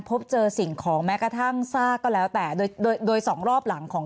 พบเจอสิ่งของแม้กระทั่งซากก็แล้วแต่โดยโดยสองรอบหลังของ